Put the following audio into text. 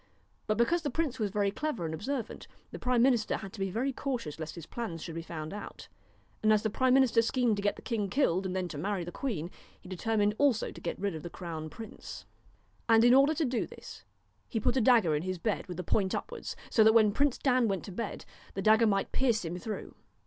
But because the prince was clever and observant, the prime minister had to be very cautious lest his plans should be found out. And as the prime minister schemed to get the king killed and then to marry the queen, he determined also to get rid of the Crown Prince. 133 DON'T And in order to do this, he put a dagger in his bed KNOW w ith the point upwards, so that when Prince Dan went to bed, the dagger might pierce him through.